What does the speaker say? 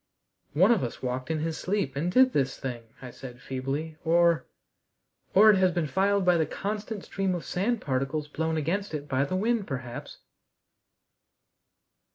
"One of us walked in his sleep and did this thing," I said feebly, "or or it has been filed by the constant stream of sand particles blown against it by the wind, perhaps."